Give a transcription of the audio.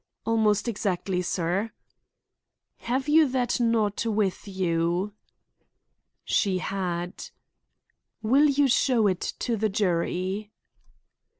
"Almost exactly, sir." "Have you that knot with you?" She had. "Will you show it to the jury?"